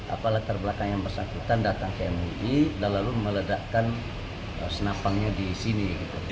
apa latar belakang yang bersangkutan datang ke mui dan lalu meledakkan senapangnya di sini